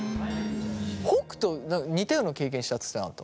北斗似たような経験したっつってなかった？